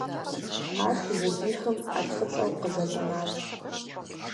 Ар щызэхихым, Ӏэлфӏыцӏэу къызэщӏэнащ.